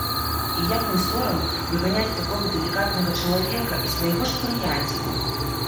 І як не сорам выганяць такога далікатнага чалавека і свайго ж прыяцеля.